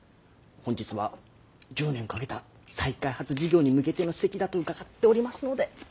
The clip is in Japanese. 本日は１０年かけた再開発事業に向けての席だと伺っておりますので。